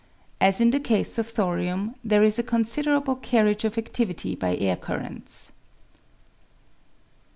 As in the case of thorium, there is a considerable carriage of adivity by air currents.